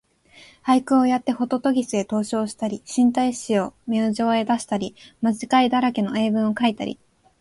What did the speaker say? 俳句をやってほととぎすへ投書をしたり、新体詩を明星へ出したり、間違いだらけの英文をかいたり、